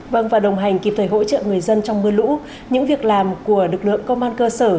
vâng và đồng hành kịp thời hỗ trợ người dân trong mưa lũ những việc làm của lực lượng công an cơ sở